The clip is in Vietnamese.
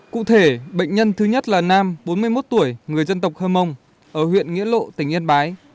cụ thể bệnh nhân thứ nhất là nam bốn mươi một tuổi người dân tộc hơ mông ở huyện nghĩa lộ tỉnh yên bái